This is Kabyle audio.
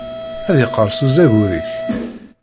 Ad yeqqerṣ uzagur-ik.